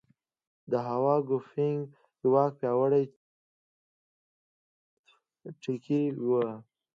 د هوا ګوفینګ واک پیاوړتیا د چین لپاره د عطف ټکی و.